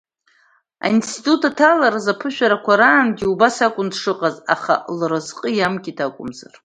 Аинститут аҭаларазы аԥышәарақәа раангьы убас акәын дшыҟаз, аха лразҟы иамкит акәымзар…